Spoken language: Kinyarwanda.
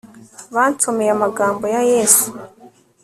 bansomeye amagambo ya yesu